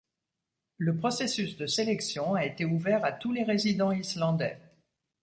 Le processus de sélection a été ouvert à tous les résidents islandais.